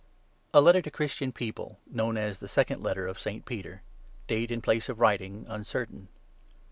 A LETTER TO CHRISTIAN PEOPLE. (KNOWN AS 'THE SECOND LETTER OF ST. PETER'). DATE AND PLACE OF WRITING UNCERTAIN.